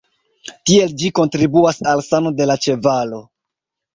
Tiel ĝi kontribuas al sano de la ĉevalo.